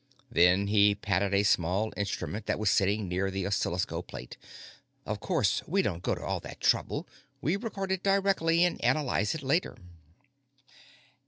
Then he patted a small instrument that was sitting near the oscilloscope plate. "Of course, we don't go to all that trouble; we record it directly and analyze it later."